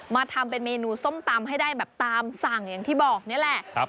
มาทำเป็นเมนูส้มตำให้ได้แบบตามสั่งอย่างที่บอกนี่แหละ